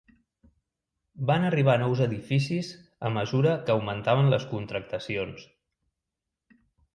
Van arribar nous edificis a mesura que augmentaven les contractacions.